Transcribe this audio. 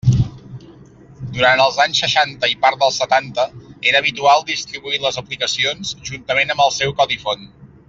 Durant els anys seixanta i part dels setanta era habitual distribuir les aplicacions juntament amb el seu codi font.